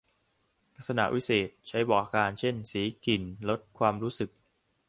ลักษณะวิเศษณ์ ใช้บอกอาการ เช่น สี กลิ่น รส ความรู้สึก